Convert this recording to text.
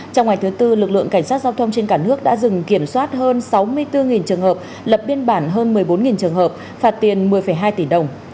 trong ngày thứ tư lực lượng cảnh sát giao thông trên cả nước đã dừng kiểm soát hơn sáu mươi bốn trường hợp lập biên bản hơn một mươi bốn trường hợp phạt tiền một mươi hai tỷ đồng